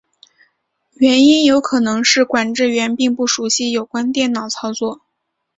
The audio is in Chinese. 原因有可能是管制员并不熟习有关电脑操作。